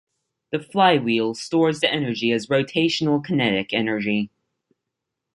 The flywheel stores the energy as rotational kinetic energy.